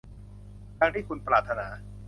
ดังที่คุณปรารถนา